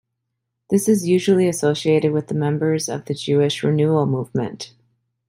This is usually associated with the members of the Jewish Renewal movement.